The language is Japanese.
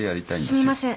すみません。